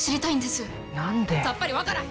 さっぱり分からへん！